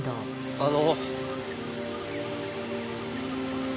あの！！